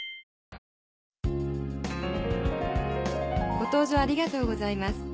「ご搭乗ありがとうございます」